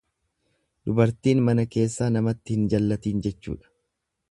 Dubartiin mana keessaa namatti hin jallatiin jechuudha.